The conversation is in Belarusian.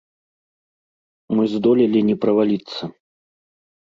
Мы здолелі не праваліцца.